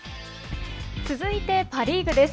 続いて、パ・リーグです。